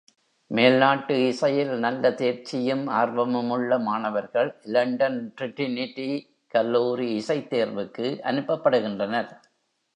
மேலை நாட்டு இசையில் நல்ல தேர்ச்சியும், ஆர்வமுமுள்ள மாணவர்கள் இலண்டன் டிரினிடி கல்லூரி இசைத்தேர்வுக்கு அனுப்பப்படுகின்றனர்.